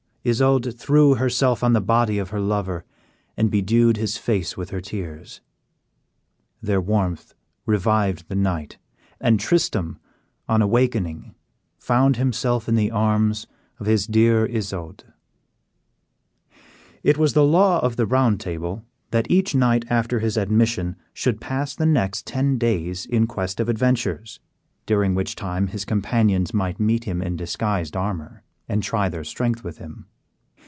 Isoude threw herself on the body of her lover, and bedewed his face with her tears. Their warmth revived the knight, and Tristram on awaking found himself in the arms of his dear Isoude. It was the law of the Round Table that each knight after his admission should pass the next ten days in quest of adventures, during which time his companions might meet him in disguised armor and try their strength with him.